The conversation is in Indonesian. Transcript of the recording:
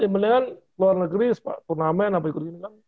mendingan luar negeri turnamen apa ikut gini kan